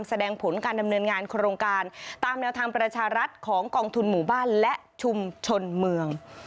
แสดงผลการดำเนินงานโครงการตามแนวทางประชารัฐของกองทุนหมู่บ้านและชุมชนเมือง